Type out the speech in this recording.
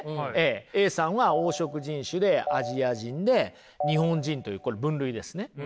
Ａさんは黄色人種でアジア人で日本人というこれ分類ですね。